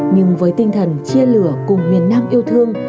nhưng với tinh thần chia lửa cùng miền nam yêu thương